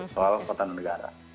soal pertanian negara